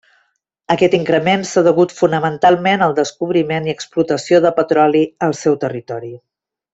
Aquest increment s'ha degut fonamentalment al descobriment i explotació de petroli al seu territori.